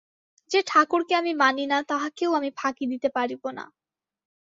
যে-ঠাকুরকে আমি মানি না তাহাকেও আমি ফাঁকি দিতে পারিব না।